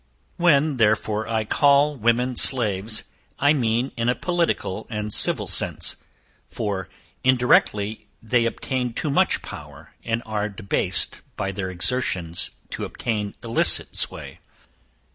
When, therefore, I call women slaves, I mean in a political and civil sense; for, indirectly they obtain too much power, and are debased by their exertions to obtain illicit sway.